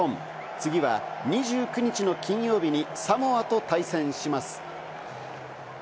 次は２９日の金曜日にサモアと対戦します。